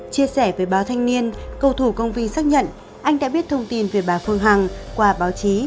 chia sẻ với báo thanh niên cầu thủ công vi xác nhận anh đã biết thông tin về bà phương hằng qua báo chí